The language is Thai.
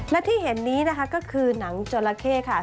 และที่เห็นนี้นะคะก็คือหนังจราเข้ค่ะ